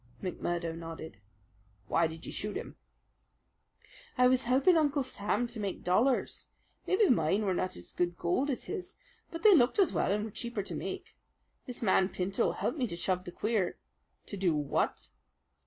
McMurdo nodded. "Why did you shoot him?" "I was helping Uncle Sam to make dollars. Maybe mine were not as good gold as his, but they looked as well and were cheaper to make. This man Pinto helped me to shove the queer " "To do what?"